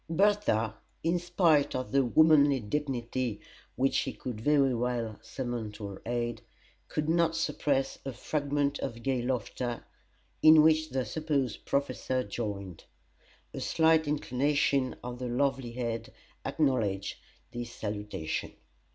Bertha, in spite of the womanly dignity which she could very well summon to her aid, could not suppress a fragment of gay laughter, in which the supposed Professor joined. A slight inclination of the lovely head acknowledged his salutation.